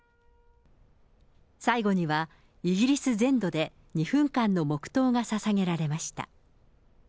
最後にはイギリス全土で２分間の黙とうがささげられました。